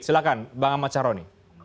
silahkan bang ahmad sahroni